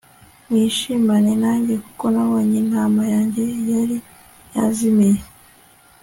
mwishimane nanjye kuko nabonye intama yanjye yari yazimiye